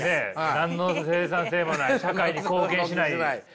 何の生産性もない社会に貢献しないハハハ。